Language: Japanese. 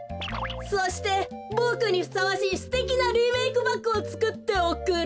そしてボクにふさわしいすてきなリメークバッグをつくっておくれ。